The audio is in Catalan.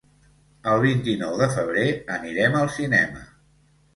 El vint-i-nou de febrer anirem al cinema.